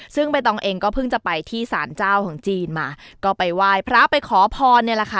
ซึ่งใบตองเองก็เพิ่งจะไปที่สารเจ้าของจีนมาก็ไปไหว้พระไปขอพรเนี่ยแหละค่ะ